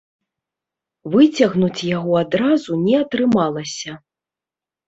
Выцягнуць яго адразу не атрымалася.